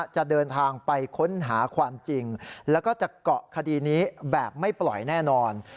จะเดินทางไปค้นหาความจริงแล้วก็จะเกาะคดีนี้แบบไม่ปล่อยแน่นอน